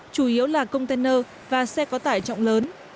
chủ yếu là container và xe có tải trọng lớn